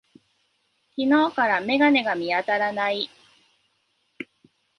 昨日から眼鏡が見当たらない。